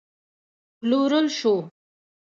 پلورل شو